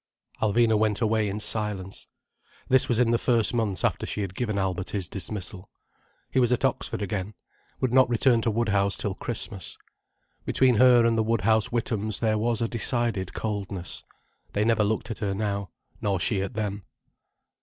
Alvina went away in silence. This was in the first months after she had given Albert his dismissal. He was at Oxford again—would not return to Woodhouse till Christmas. Between her and the Woodhouse Withams there was a decided coldness. They never looked at her now—nor she at them.